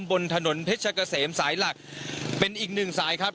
บนถนนเพชรเกษมสายหลักเป็นอีกหนึ่งสายครับ